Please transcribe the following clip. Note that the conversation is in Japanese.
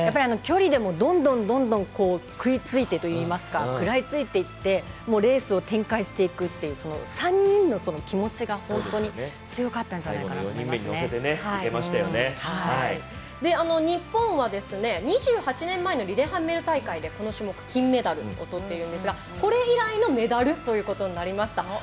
距離でも、どんどんどんどん食いついてといいますか食らいついていってレースを展開していくという３人の気持ちが本当に強かったんじゃないかな最後の４人目に日本は２８年前のリレハンメル大会でこの種目、金メダルを取っているんですがこれ以来のメダルということになりました。